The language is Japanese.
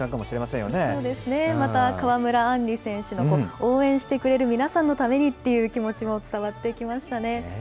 そうですね、また、川村あんり選手の応援してくれる皆さんのためにっていう気持ちも伝わってきましたね。